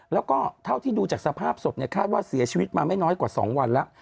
แล้วก็เท่าที่ดูจากสภาพศพคาดว่าเสียชีวิตมาไม่น้อยกว่า๒วันแล้ว